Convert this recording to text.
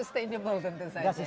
tidak berkelanjutan tentu saja